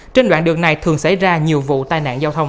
trên đoạn đường này thường xảy ra nhiều vụ tai nạn giao thông